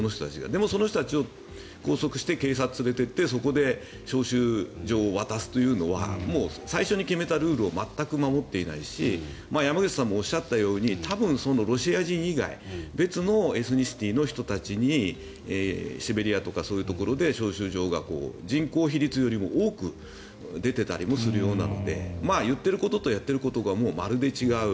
でも、その人たちを拘束して警察に連れていってそこで招集状を渡すというのは最初に決めたルールを全く守っていないし山口さんもおっしゃったように多分ロシア人以外のエスニシティーの人たちシベリアとかそういうところで招集状が人口比率よりも多く出ていたりするようなので言っていることとやっていることがまるで違う。